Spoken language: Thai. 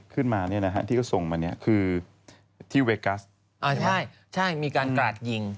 ขึ้นมาเนี่ยนะฮะที่เขาส่งมาเนี่ยคือที่เวกัสมีการกราดยิง